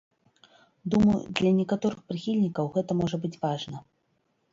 Думаю, для некаторых прыхільнікаў гэта можа быць важна.